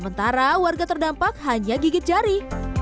pertanyaannya adalah apakah buronan itu lari